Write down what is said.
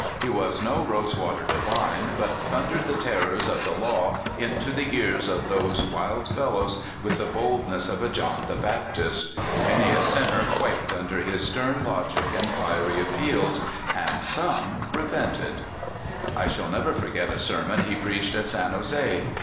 He was no rose water divine, but thundered the terrors of the law into the ears of those wild fellows with the boldness of a John the Baptist. Many a sinner quaked under 234 CALIFORNIA SKETCHES. his stern logic and fiery appeals, and some re pented. I shall never forget a sermon he preached at San Jose.